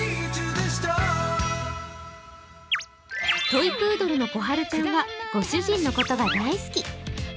トイプードルのこはるちゃんはご主人のことが大好き。